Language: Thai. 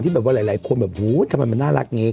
ที่แบบว่าหลายคนแบบโหทำไมมันน่ารักไง